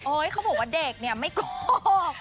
โอ้ยเขาบอกว่าเด็กเนี่ยไม่โกบ